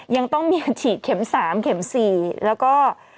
ยังต้องมีการฉีดเข็ม๓เข็ม๔แล้วก็